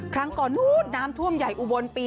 ครั้งก่อนนู้นน้ำท่วมใหญ่อุบลปี